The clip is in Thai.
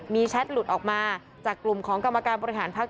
มีแชทหลุดออกมาจากกลุ่มของกรรมการบริหารพักษ